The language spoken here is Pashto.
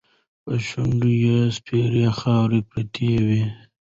په شونډو یې سپېرې خاوې پرتې وې.